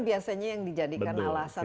biasanya yang dijadikan alasan